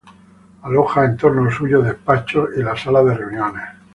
Aloja en torno suyo despachos y la sala de reuniones.